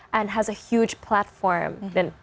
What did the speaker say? dan memiliki platform yang besar